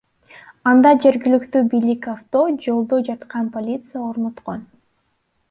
Анда жергиликтүү бийлик авто жолдо жаткан полиция орноткон.